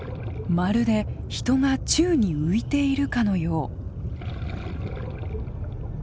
まるで人が宙に浮いているかのよう。